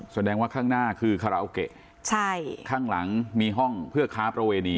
แสดงว่าข้างหน้าคือคาราโอเกะใช่ข้างหลังมีห้องเพื่อค้าประเวณี